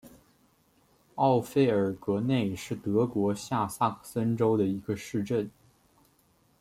奥费尔格内是德国下萨克森州的一个市镇。